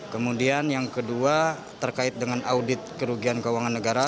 kemudian yang kedua terkait dengan audit kerugian keuangan negara